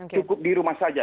cukup di rumah saja